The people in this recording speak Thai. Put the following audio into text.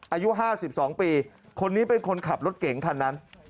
อายุ๕๒ปีคนนี้เป็นคนขับรถเก๋งคันนั้น